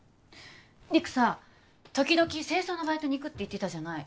陸さ時々清掃のバイトに行くって言ってたじゃない？